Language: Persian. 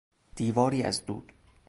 دیواری از دود